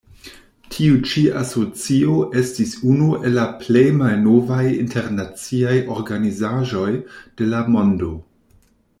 Tiu ĉi asocio estis unu el la plej malnovaj internaciaj organizaĵoj de la mondo.